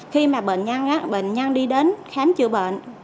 khi mà bệnh nhân đi đến khám chữa bệnh